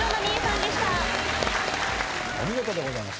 お見事でございます。